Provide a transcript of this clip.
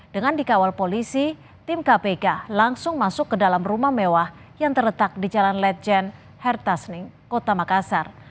dengan dikawal polisi tim kpk langsung masuk ke dalam rumah mewah yang terletak di jalan ledjen hertasning kota makassar